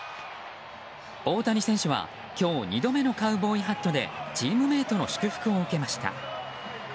大谷選手は今日２度目のカウボーイハットでチームメートの祝福を受けました。